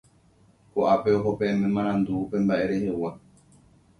Koʼápe oho peẽme marandu upe mbaʼe rehegua.